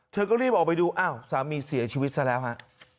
เธอก็รีบออกไปดูอ้าวสามีเสียชีวิตซะแล้วฮะ